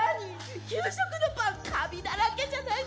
給食のパンカビだらけじゃないの。